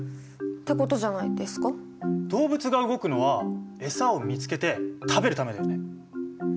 動物が動くのはエサを見つけて食べるためだよね。